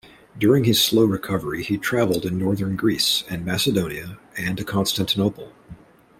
During his slow recovery he travelled in northern Greece, and Macedonia, and to Constantinople.